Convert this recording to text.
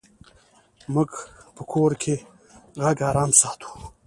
موږ په کور کې غږ آرام ساتو.